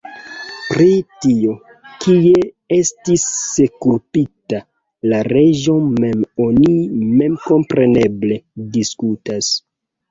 Pri tio, kie estis sepultita la reĝo mem, oni memkompreneble diskutas.